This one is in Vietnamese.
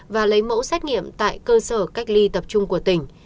và lấy mẫu xét nghiệm tại cơ sở cách ly tập trung của tỉnh